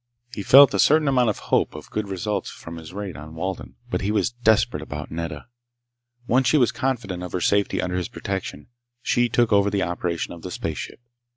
He felt a certain amount of hope of good results from his raid on Walden, but he was desperate about Nedda. Once she was confident of her safety under his protection, she took over the operation of the spaceship.